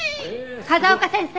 風丘先生。